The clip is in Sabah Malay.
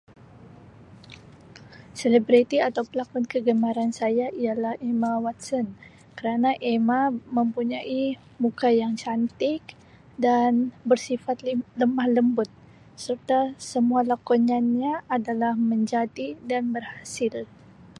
Selebriti atau pelakon kegemaran saya ialah Emma Watson kerana kerana Emma mempunyai muka yang cantik dan bersifat lemah lembut serta semua lakonannya adalah menjadi dan berhasil.